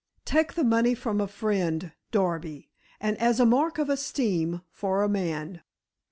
Take the money from a friend, Darby, and as a mark of esteem for a man."